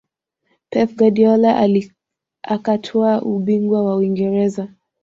Pep Guardiola akatwaa ubingwa wa Uingereza